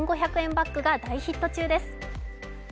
バッグが大ヒット中です。